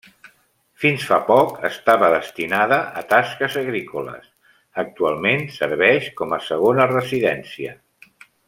Fins fa poc estava destinada a tasques agrícoles, actualment serveix com a segona residència.